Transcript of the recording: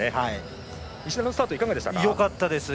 石田のスタートいかがでしたか？